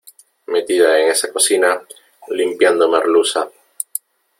metida en esa cocina , limpiando merluza .